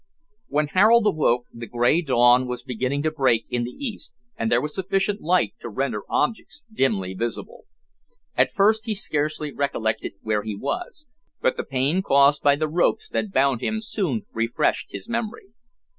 When Harold awoke, the grey dawn was beginning to break in the east and there was sufficient light to render objects dimly visible. At first he scarcely recollected where he was, but the pain caused by the ropes that bound him soon refreshed his memory.